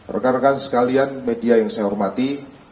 rekan rekan sekalian media yang saya hormati